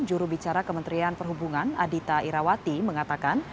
juru bicara kementerian perhubungan adhita irawati mengatakan